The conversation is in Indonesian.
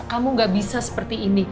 kamu gak bisa seperti ini